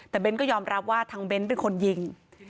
แต่เน้นก็ยอมรับว่าทางเบ้นเป็นคนยิง